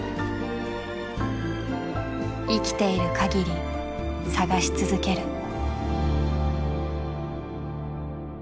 生きているかぎり探し続ける。